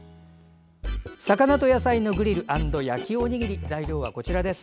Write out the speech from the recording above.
魚と野菜のグリル＆焼きおにぎりの材料です。